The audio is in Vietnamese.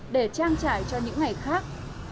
để trang trải cho những ngày khác